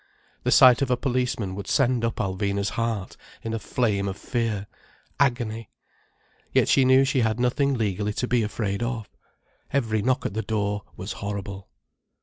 The sight of a policeman would send up Alvina's heart in a flame of fear, agony; yet she knew she had nothing legally to be afraid of. Every knock at the door was horrible.